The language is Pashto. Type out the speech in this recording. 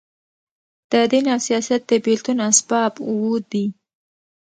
د دین او سیاست د بېلتون اسباب اووه دي.